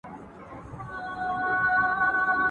که به دوی هم مهربان هغه زمان سي.